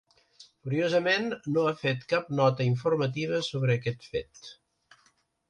Curiosament, no ha fet cap nota informativa sobre aquest fet.